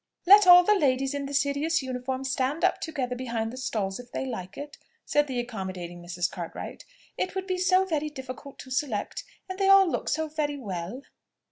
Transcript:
"Let all the ladies in the serious uniform stand up together behind the stalls if they like it," said the accommodating Mrs. Cartwright: "it would be so very difficult to select; and they will all look so very well!"